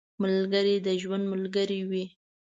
ملګری د ژوند ملګری وي